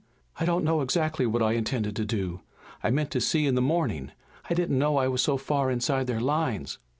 "I don't know exactly what I intended to do. I meant to see in the morning. I didn't know I was so far inside their lines."